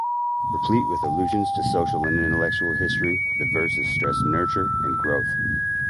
Replete with allusions to social and intellectual history, the verses stress nurture and growth.